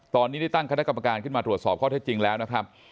ตอนนี้ได้ตั้งคณะกรรมการขึ้นมาตรวจสอบข้อเท็จจริงแล้วนะครับ